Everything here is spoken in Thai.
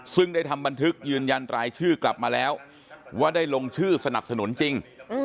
ซึ่งได้ทำบันทึกยืนยันรายชื่อกลับมาแล้วว่าได้ลงชื่อสนับสนุนจริง